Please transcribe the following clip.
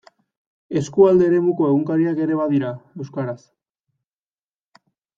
Eskualde eremuko egunkariak ere badira, euskaraz.